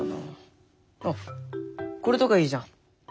あっこれとかいいじゃん。